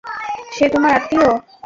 সে তোমার আত্মীয়।